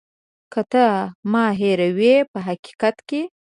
که ته ما هېروې په حقیقت کې.